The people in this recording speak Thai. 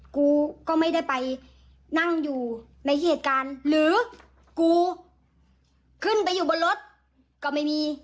กูก็ไม่ได้ไปนั่งอยู่ในเหตุการณ์หรือกูขึ้นไปอยู่บนรถก็ไม่มี